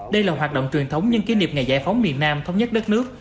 đây là hoạt động truyền thống nhân kỷ niệm ngày giải phóng miền nam thống nhất đất nước